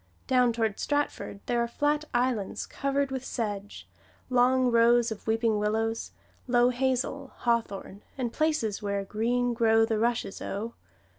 Down toward Stratford there are flat islands covered with sedge, long rows of weeping willows, low hazel, hawthorn, and places where "Green Grow the Rushes, O."